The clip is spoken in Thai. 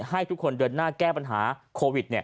ให้ทุกคนเดินหน้าแก้ปัญหาโควิด